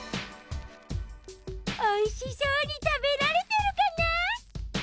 おいしそうにたべられてるかな？